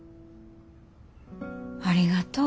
ありがとう。